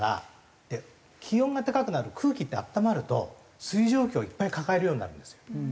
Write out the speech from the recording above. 気温が高くなる空気って温まると水蒸気をいっぱい抱えるようになるんですよ。